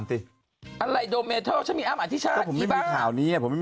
มีคลิปพี่โดมก็ฝากมาไปดูคลิปพี่โดมใกล้